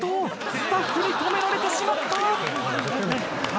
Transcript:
スタッフに止められてしまった。